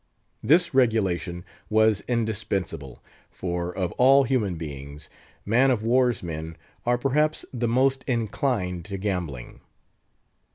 This regulation was indispensable, for, of all human beings, man of war's men are perhaps the most inclined to gambling.